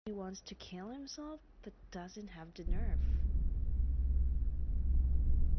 He wants to kill himself, but doesn't have the nerve.